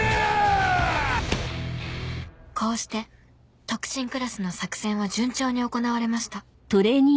こうして特進クラスの作戦は順調に行われました